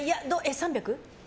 ３００？